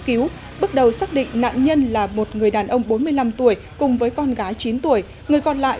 cứu bước đầu xác định nạn nhân là một người đàn ông bốn mươi năm tuổi cùng với con gái chín tuổi người còn lại